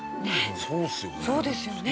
そうですよね？